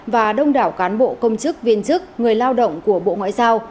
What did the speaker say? và đông đảo cán bộ công chức viên chức người lao động của bộ ngoại giao